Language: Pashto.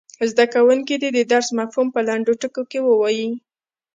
زده کوونکي دې د درس مفهوم په لنډو ټکو کې ووايي.